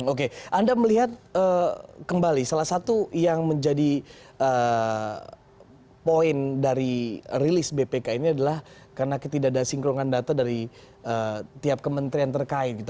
oke anda melihat kembali salah satu yang menjadi poin dari rilis bpk ini adalah karena ketidakdas sinkrongan data dari tiap kementerian terkait gitu